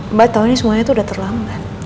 mbak tau ini semuanya tuh udah terlambat